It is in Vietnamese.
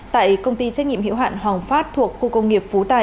tại công ty trách nhiệm hiệu hạn hoàng phát thuộc khu công nghiệp phú tài